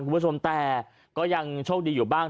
คุณผู้ชมแต่ก็ยังโชคดีอยู่บ้าง